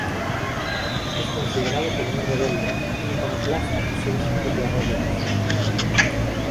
Es considerado como un rebelde, un iconoclasta que sigue sus propias reglas.